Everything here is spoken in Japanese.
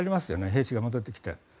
兵士が戻ってきて。